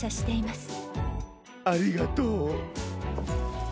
ありがとう。